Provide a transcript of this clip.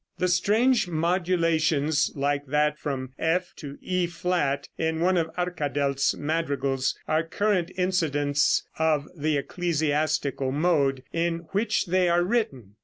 The strange modulations, like that from F to E flat in one of Arkadelt's madrigals, are current incidents of the ecclesiastical mode in which they are written.